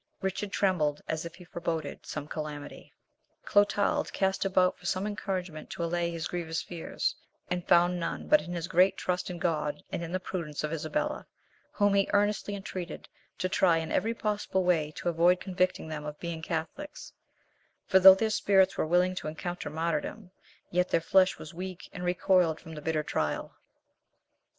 Richard trembled as if he foreboded some calamity. Clotald cast about for some encouragement to allay his grievous fears, and found none but in his great trust in God and in the prudence of Isabella, whom he earnestly entreated to try in every possible way to avoid convicting them of being Catholics; for, though their spirits were willing to encounter martyrdom, yet their flesh was weak and recoiled from the bitter trial.